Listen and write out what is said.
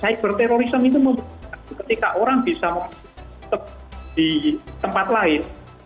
cyber terrorism itu membutuhkan ketika orang bisa di tempat lain